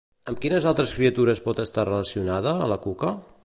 Amb quines altres criatures pot estar relacionada, la Cuca?